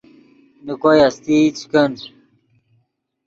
نے کوئے استئی چے کن